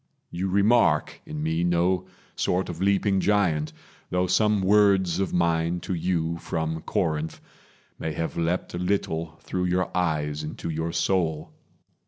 You remark in me No sort of leaping giant, though some words Of mine to you from Corinth may have leapt A little through your eyes into your soul.